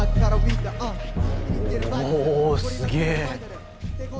おすげぇ。